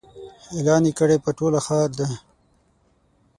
اعلان یې کړی پر ټوله ښار دی